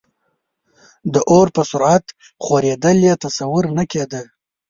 د اور په سرعت خورېدل یې تصور نه کېده.